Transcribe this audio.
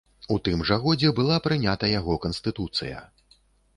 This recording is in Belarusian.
У тым жа годзе была прынята яго канстытуцыя.